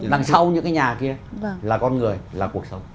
đằng sau những cái nhà kia là con người là cuộc sống